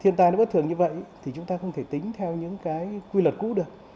như vậy thì chúng ta không thể tính theo những cái quy luật cũ được